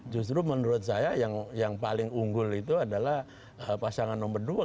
justru menurut saya yang paling unggul itu adalah pasangan nomor dua